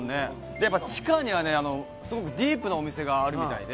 でやっぱ地下にはねすごくディープなお店があるみたいで。